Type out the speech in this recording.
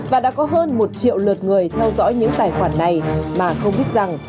và đã có hơn một triệu lượt người theo dõi những tài khoản này mà không biết rằng